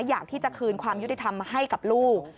อยากที่จะคืนความยุติธรรมให้กับลูก